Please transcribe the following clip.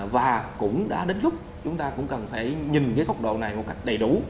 và cũng đã đến lúc chúng ta cũng cần phải nhìn cái góc độ này một cách đầy đủ